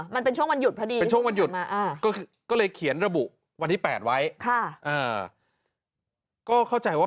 มันเป็นช่วงวันหยุดพอดี